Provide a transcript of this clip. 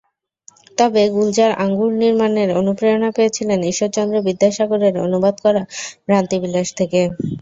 তবে গুলজার আঙ্গুর নির্মাণের অনুপ্রেরণা পেয়েছিলেন ঈশ্বরচন্দ্র বিদ্যাসাগরের অনুবাদ করা ভ্রান্তিবিলাস থেকে।